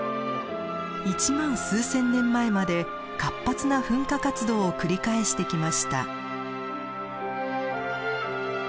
１万数千年前まで活発な噴火活動を繰り返してきました。